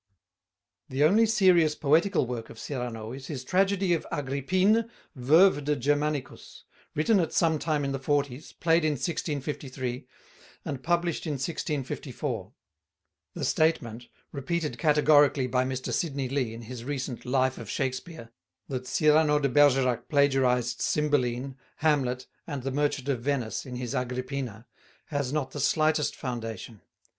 The only serious poetical work of Cyrano is his tragedy of Agrippine, veuve de Germanicus, written at some time in the forties, played in 1653, and published in 1654. The statement, repeated categorically by Mr. Sidney Lee in his recent Life of Shakespeare, that "Cyrano de Bergerac plagiarized 'Cymbeline,' 'Hamlet,' and 'The Merchant of Venice' in his 'Agrippina,'" has not the slightest foundation.